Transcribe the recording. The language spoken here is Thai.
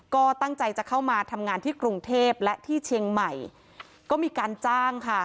ก็ตั้งใจจะเข้ามาทำงานที่กรุงเทพและที่เชียงใหม่ก็มีการจ้างค่ะ